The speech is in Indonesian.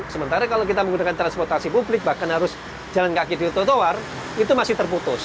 sementara kalau kita menggunakan transportasi publik bahkan harus jalan kaki di trotoar itu masih terputus